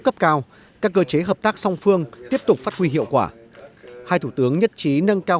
cấp cao các cơ chế hợp tác song phương tiếp tục phát huy hiệu quả hai thủ tướng nhất trí nâng cao